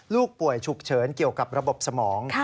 ลูกป่วยฉุกเฉินเกี่ยวกับระบบสมอง